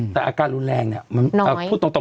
แต่อาการรุนแรงพูดตรงมันน้อย